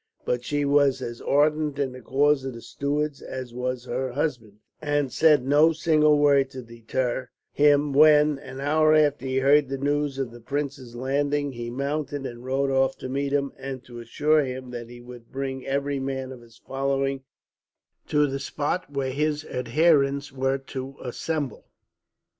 But she was as ardent in the cause of the Stuarts as was her husband, and said no single word to deter him when, an hour after he heard the news of the prince's landing, he mounted and rode off to meet him, and to assure him that he would bring every man of his following to the spot where his adherents were to assemble.